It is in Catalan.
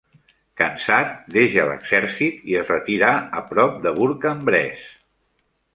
Cansat, deixà l'exèrcit i es retirà a prop de Bourg-en-Bresse.